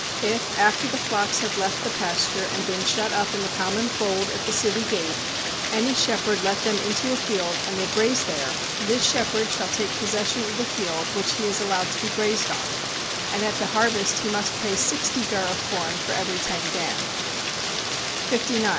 If after the flocks have left the pasture and been shut up in the common fold at the city gate, any shepherd let them into a field and they graze there, this shepherd shall take possession of the field which he has allowed to be grazed on, and at the harvest he must pay sixty gur of corn for every ten gan. 59.